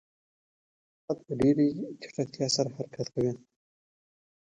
ساعت په ډېرې چټکتیا سره حرکت کوي.